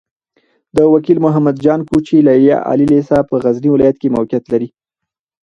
د وکيل محمد جان کوچي ليليه عالي لېسه په غزني ولايت کې موقعيت لري.